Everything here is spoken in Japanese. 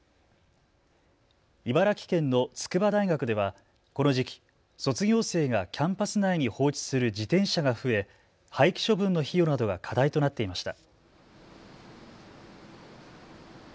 茨城県の筑波大学ではこの時期卒業生がキャンパス内に放置する自転車が増え、廃棄処分の費用などが課題となっていました。